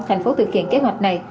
thành phố thực hiện kế hoạch này